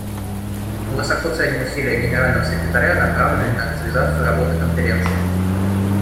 Мы высоко ценим усилия Генерального секретаря, направленные на активизацию работы Конференции.